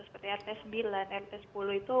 seperti rt sembilan rt sepuluh itu